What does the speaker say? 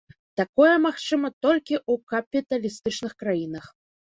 Такое магчыма толькі ў капіталістычных краінах.